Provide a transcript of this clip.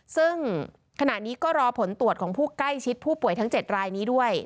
ซึ่งขณะนี้ก็รอผลตรวจของผู้ใกล้ชิดผู้ป่วยทั้ง๗รายนี้ด้วย